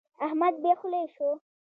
احمد بې خولې شو.